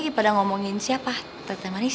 kepada ngomongin siapa teteh manis